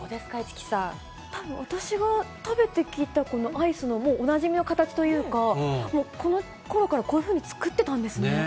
たぶん、私が食べてきたこのアイスのもうおなじみの形というか、もう、このころからこういうふうに作ってたんですね。